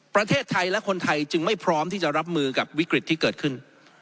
ประเทศไทยและคนไทยจึงไม่พร้อมที่จะรับมือกับวิกฤตที่เกิดขึ้น